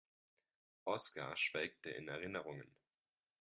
Oskar schwelgte in Erinnerungen.